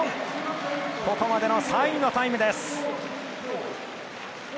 ここまでの３位のタイムです。